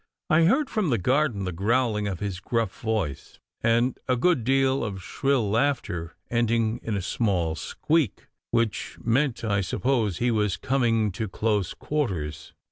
I heard from the garden the growling of his gruff voice, and a good deal of shrill laughter ending in a small squeak, which meant, I suppose, that he was coming to close quarters.